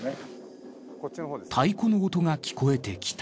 太鼓の音が聞こえてきた。